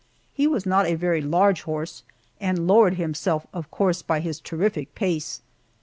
He was not a very large horse, and lowered himself, of course, by his terrific pace.